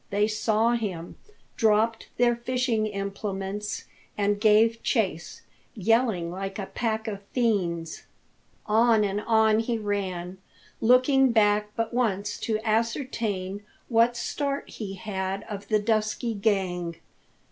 They saw him, dropped their fishing implements, and gave chase, yelling like a pack of fiends. On and on he ran, looking back but once to ascertain what start he had of the dusky gang.